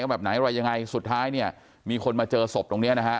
แบบไหนอะไรยังไงสุดท้ายเนี่ยมีคนมาเจอศพตรงเนี้ยนะฮะ